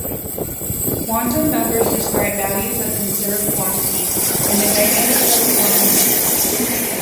Quantum numbers describe values of conserved quantities in the dynamics of a quantum system.